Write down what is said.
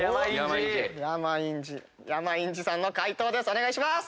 お願いします！